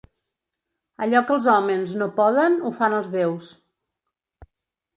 Allò que els hòmens no poden ho fan els deus.